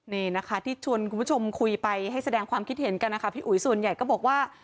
นี่นะคะที่ชวนคุณผู้ชมคุยไปให้แสดงความคิดเห็นกันนะคะพี่อุ๋ยส่วนใหญ่ก็บอกว่า